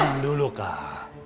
tunggu dulu kak